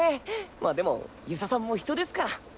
まあでも遊佐さんも人ですから。